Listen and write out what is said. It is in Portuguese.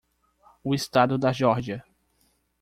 O estado da Geórgia.